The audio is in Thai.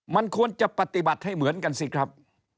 มันควรจะปฏิบัติให้เหมือนกันสิครับ